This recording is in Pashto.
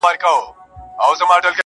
o ځكه انجوني وايي له خالو سره راوتي يــو.